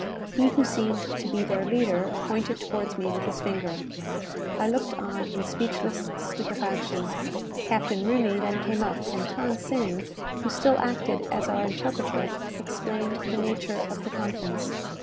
He who seemed to be their leader, pointed towards me with his finger. I looked on in speechless stupefaction. Captain Rooney then came up, and Than Sing, who still acted as our interpreter, explained the nature of the conference.